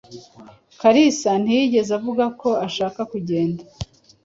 Kalisa ntiyigeze avuga ko ashaka kugenda.